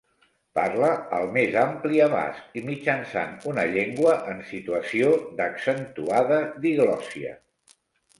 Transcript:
Parle al més ampli abast i mitjançant una llengua en situació d’accentuada diglòssia.